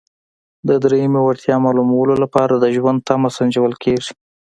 د دریمې وړتیا معلومولو لپاره د ژوند تمه سنجول کیږي.